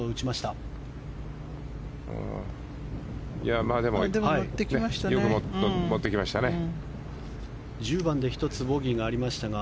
よく持ってきましたね。